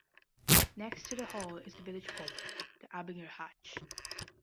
Next to the Hall is the village pub, the Abinger Hatch.